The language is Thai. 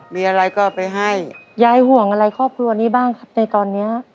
มีอะไรก็ไปให้ยายห่วงอะไรครอบครัวนี้บ้างครับในตอนเนี้ย